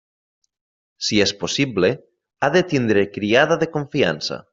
Si és possible, ha de tindre criada de confiança.